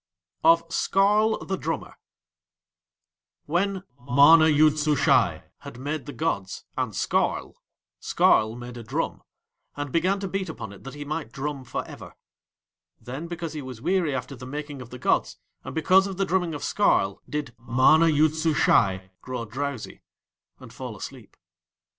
OF SKARL THE DRUMMER When MANA YOOD SUSHAI had made the gods and Skarl, Skarl made a drum, and began to beat upon it that he might drum for ever. Then because he was weary after the making of the gods, and because of the drumming of Skarl, did MANA YOOD SUSHAI grow drowsy and fall asleep.